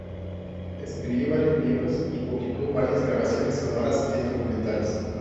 Escribió varios libros, y publicó varias grabaciones sonoras en documentales.